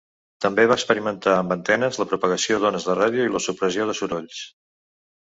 També va experimentar amb antenes, la propagació d'ones de ràdio i la supressió de sorolls.